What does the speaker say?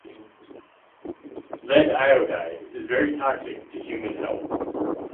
Lead iodide is very toxic to human health.